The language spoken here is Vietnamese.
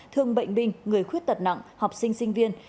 thương bệnh binh người khuyết tật nặng học sinh sinh viên